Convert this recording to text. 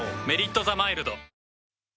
「メリットザマイルド」